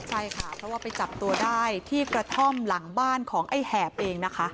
ใช่ค่ะเพราะว่าไปจับตัวได้ที่กระท่อมหลังบ้านของไอ้แหบเองนะคะ